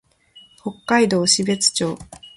北海道標津町